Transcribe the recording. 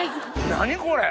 何これ？